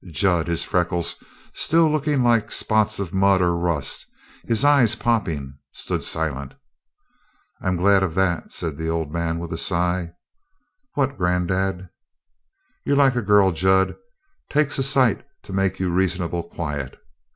Jud, his freckles still looking like spots of mud or rust, his eyes popping, stood silent. "I'm glad of that," said the old man, with a sigh. "What, granddad?" "You're like a girl, Jud. Takes a sight to make you reasonable quiet.